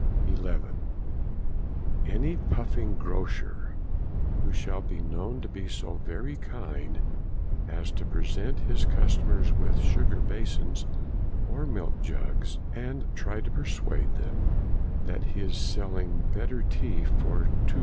11. Any puffing Grocer who shall be known to be so very kind as to present his customers with sugar basins or milk jugs, and try to persuade them that he is selling better tea for 2s.